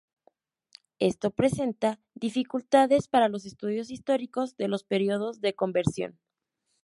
Esto presenta dificultades para los estudios históricos de los períodos de conversión.